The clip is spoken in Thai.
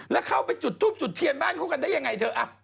แล้วเข้าไปจุดทูบจุดเทียนบ้านเขากันได้ยังไงเธอ